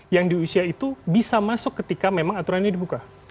yang di usia itu bisa masuk ketika memang aturan ini dibuka